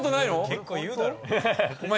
結構言うだろ。